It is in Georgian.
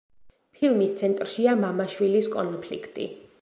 ფილმის ცენტრშია მამა-შვილის კონფლიქტი.